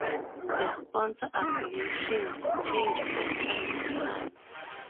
The sponsor affiliations change from time to time.